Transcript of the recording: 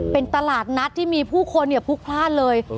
เป็นตลาดนัดที่มีผู้คนพลุกพลาดเลย